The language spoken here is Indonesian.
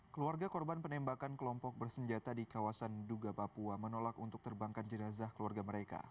keluarga korban penembakan kelompok bersenjata di kawasan duga papua menolak untuk terbangkan jenazah keluarga mereka